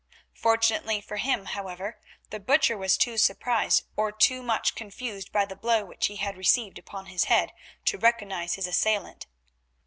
Fortunately for him, however, the Butcher was too surprised, or too much confused by the blow which he had received upon his head, to recognise his assailant.